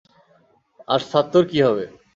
আর সাত্তুর কি হবে?